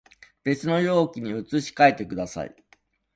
別の容器に移し替えてください